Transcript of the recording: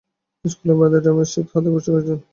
স্কুলের বারান্দায় ড্রামের স্টিক হাতে ঘুরছে কয়েকজন।